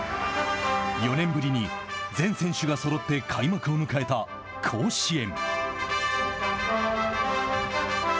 ４年ぶりに全選手がそろって開幕を迎えた甲子園。